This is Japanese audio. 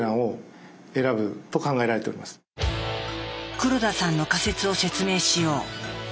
黒田さんの仮説を説明しよう。